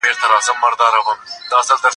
ایا دروازه چا په ټک ووهله؟